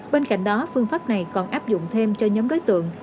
bên cạnh đó phương pháp này còn áp dụng thêm cho nhóm đối tượng